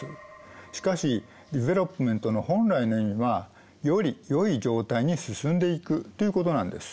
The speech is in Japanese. しかしＤｅｖｅｌｏｐｍｅｎｔの本来の意味はより良い状態に進んでいくということなんです。